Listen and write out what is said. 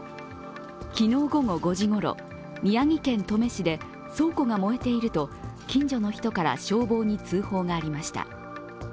昨日午後５時ごろ宮城県登米市で倉庫が燃えていると近所の人から消防に通報がありました。